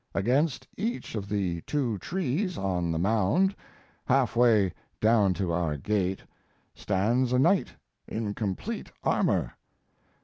Against each of the two trees on the mound, half way down to our gate, stands a knight in complete armor.